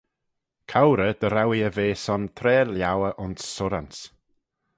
Cowrey dy row ee er ve son traa liauyr ayns surranse.